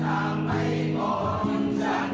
เหมือนผู้รัก